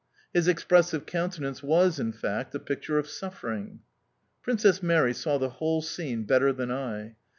His expressive countenance was, in fact, a picture of suffering. Princess Mary saw the whole scene better than I.